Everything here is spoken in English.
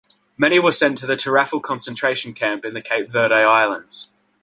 Many were sent to the Tarrafal concentration camp in the Cape Verde Islands.